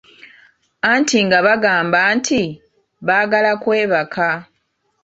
Anti nga bagamba nti baagala kwebaka.